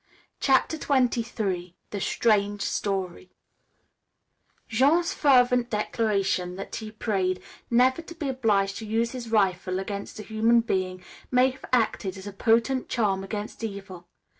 CHAPTER XXIII THE STRANGE STORY Jean's fervent declaration that he prayed never to be obliged to use his rifle against a human being may have acted as a potent charm against evil.